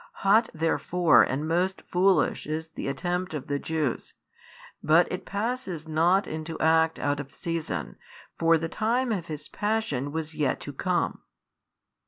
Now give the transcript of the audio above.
Hot therefore and most foolish is the attempt of the Jews, but it passes not into act out of season, for the time of His Passion was yet to come.